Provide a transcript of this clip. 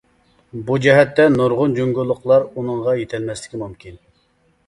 بۇ جەھەتتە نۇرغۇن جۇڭگولۇقلار ئۇنىڭغا يېتەلمەسلىكى مۇمكىن.